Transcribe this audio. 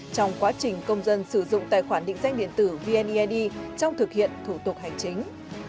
trong quá trình công dân sử dụng tài khoản định danh điện tử vneid trong thực hiện thủ tục hành chính